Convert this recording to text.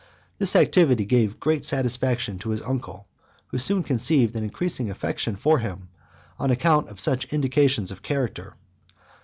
This activity gave great satisfaction to his uncle, who soon conceived an increasing affection for him, on account of such indications of character.